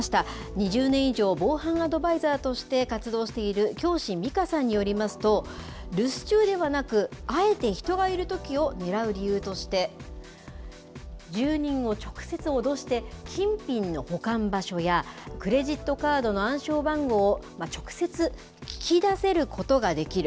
２０年以上、防犯アドバイザーとして活動している京師美佳さんによりますと、留守中ではなく、あえて人がいるときをねらう理由として、住人を直接脅して、金品の保管場所やクレジットカードの暗証番号を直接聞き出せることができる。